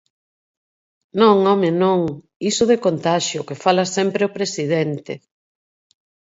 Non, home, non, iso de contaxio, que fala sempre o presidente.